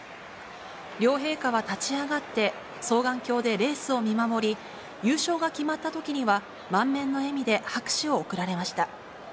両陛下は立ち上がって、双眼鏡でレースを見守り、優勝が決まったときには、満面の笑みで拍手を送られました。